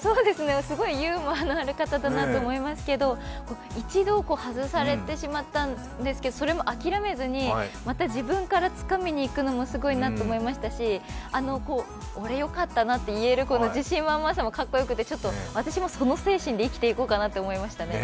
すごいユーモアのある方だなと思いますけど、一度、外されてしまったんですけれども、それも諦めずに、また自分からつかみにいくのもすごいなと思いましたし俺よかったなって言える自信満々さもかっこよくてちょっと私もその精神で生きていこうかなと思いました。